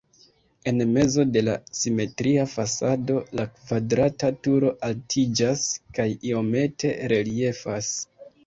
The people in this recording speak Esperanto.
En mezo de la simetria fasado la kvadrata turo altiĝas kaj iomete reliefas.